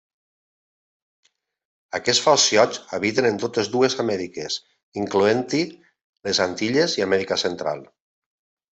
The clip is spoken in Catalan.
Aquests falciots habiten en totes dues Amèriques, incloent-hi les Antilles i Amèrica Central.